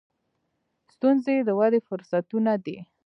• ستونزې د ودې فرصتونه دي.